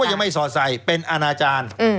ยังไม่สอดใส่เป็นอาณาจารย์